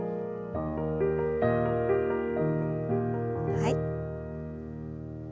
はい。